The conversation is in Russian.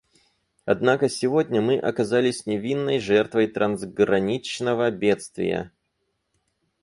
Однако сегодня мы оказались невинной жертвой трансграничного бедствия.